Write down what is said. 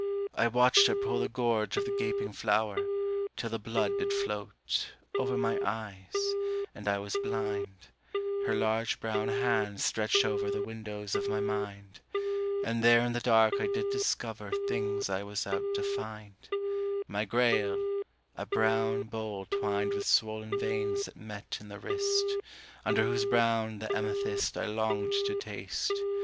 I watched her pull The gorge of the gaping flower, till the blood did float Over my eyes, and I was blind Her large brown hand stretched over The windows of my mind; And there in the dark I did discover Things I was out to find: My Grail, a brown bowl twined With swollen veins that met in the wrist, Under whose brown the amethyst I longed to taste.